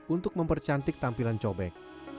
untuk mempercantik tampilan cobek